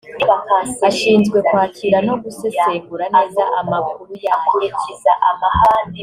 ashinzwe kwakira no gusesengura neza amakuru yayo